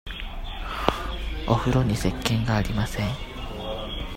おふろにせっけんがありません。